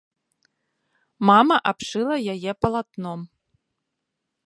Мама абшыла яе палатном.